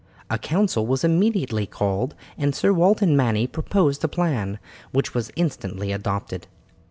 A council was immediately called, and Sir Walter Manny proposed a plan, which was instantly adopted.